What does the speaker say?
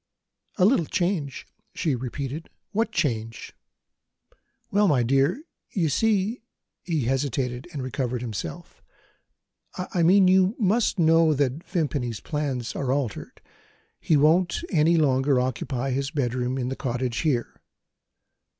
"A little change?" she repeated. "What change?" "Well, my dear, you see " He hesitated and recovered himself. "I mean, you must know that Vimpany's plans are altered. He won't any longer occupy his bedroom in the cottage here."